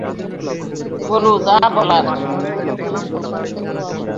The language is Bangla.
বলো, যা বলার।